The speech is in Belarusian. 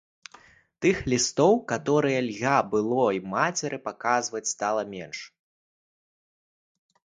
Тых лістоў, каторыя льга было й мацеры паказваць, стала менш.